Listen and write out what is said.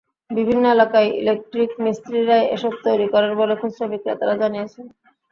বিভিন্ন এলাকায় ইলেকট্রিক মিস্ত্রিরাই এসব তৈরি করেন বলে খুচরা বিক্রেতারা জানিয়েছেন।